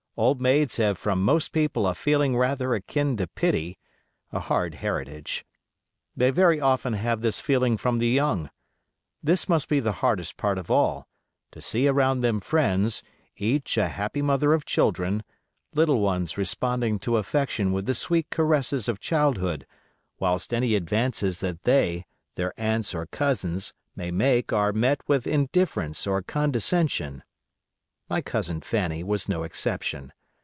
Old maids have from most people a feeling rather akin to pity—a hard heritage. They very often have this feeling from the young. This must be the hardest part of all—to see around them friends, each "a happy mother of children," little ones responding to affection with the sweet caresses of childhood, whilst any advances that they, their aunts or cousins, may make are met with indifference or condescension. My cousin Fanny was no exception.